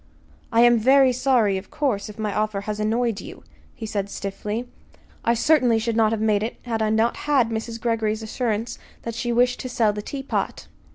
"I am very sorry, of course, if my offer has annoyed you," he said stiffly. "I certainly should not have made it had I not had Mrs. Greggory's assurance that she wished to sell the teapot."